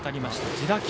自打球。